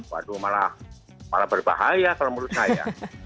waduh malah berbahaya kalau menurut saya